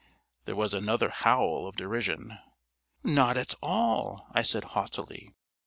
There was another howl of derision. "Not at all," I said haughtily.